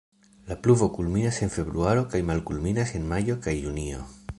La pluvo kulminas en februaro kaj malkulminas en majo kaj junio.